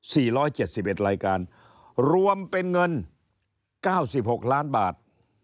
ร้อยเจ็ดสิบเอ็ดรายการรวมเป็นเงินเก้าสิบหกล้านบาท